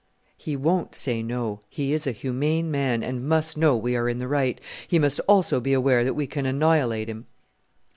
"He won't say no: he is a humane man, and must know we are in the right. He must also be aware that we can annihilate him."